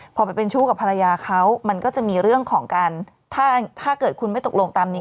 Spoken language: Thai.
พอไปเป็นชู้กับภรรยาเขามันก็จะมีเรื่องของการถ้าเกิดคุณไม่ตกลงตามนี้